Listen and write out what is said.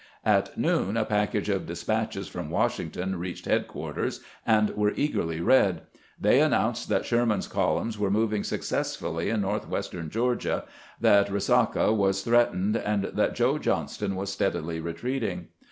At noon a package of despatches from Washington reached headquarters, and were eagerly read. They announced that Sherman's columns were moving successfully in northwestern Georgia, that Eesaca was threatened, and that Joe Johnston was steadily retreating.